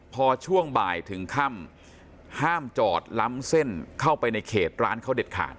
พอช่วงบ่ายถึงค่ำห้ามจอดล้ำเส้นเข้าไปในเขตร้านเขาเด็ดขาด